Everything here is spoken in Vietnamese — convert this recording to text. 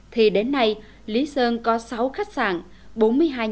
thì đến nay lý sơn có sáu khách sạn một mươi năm nhà nghỉ với chín mươi năm phòng